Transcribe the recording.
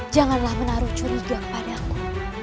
janganlah menaruh curiga kepada aku